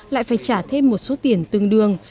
lại phải trả thêm một số tiền tương đương